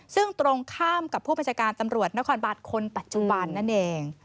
ซึ่งตรงข้ามกับผู้บัญชาการตำรวจนครบานคนปัจจุบันนั่นเอง